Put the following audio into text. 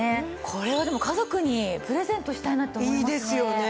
これはでも家族にプレゼントしたいなって思いますね。